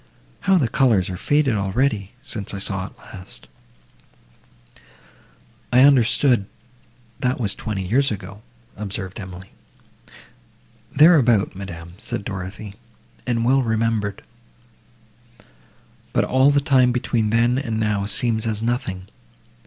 How the colours are faded already!—since I saw it last!" "I understood, that was twenty years ago," observed Emily. "Thereabout, madam," said Dorothée, "and well remembered, but all the time between then and now seems as nothing.